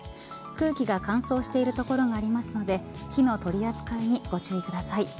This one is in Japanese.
空気が乾燥している所がありますので火の取り扱いにご注意ください。